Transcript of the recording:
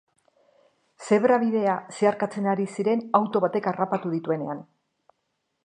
Zebra-bidea zeharkatzen ari ziren auto batek harrapatu dituenean.